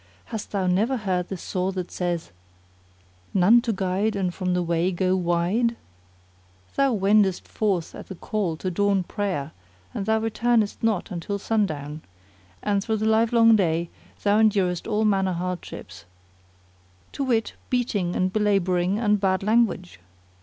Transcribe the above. Hast thou never heard the saw that saith, None to guide and from the way go wide? Thou wendest forth at the call to dawn prayer and thou returnest not till sundown; and through the livelong day thou endurest all manner hardships; to wit, beating and belabouring and bad language.